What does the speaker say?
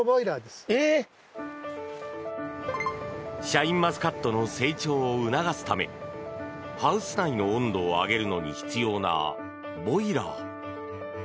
シャインマスカットの成長を促すためハウス内の温度を上げるのに必要なボイラー。